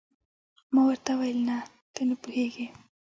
ما ورته وویل: نه، ته نه پوهېږې.